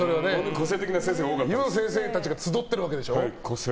個性的な先生たちが集っているわけでしょう。